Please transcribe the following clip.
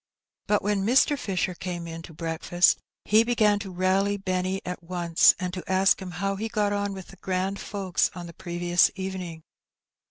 But when Mr. Fisher came in to breakfast he began to rally Benny at once, and to ask him how he got on with the grand folks on the previous evening.